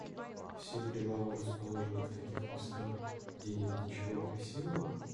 Все привалы расположены в таких местах, где нет ничего красивого?